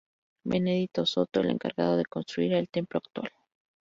Benedito Soto el encargado de construir el templo actual.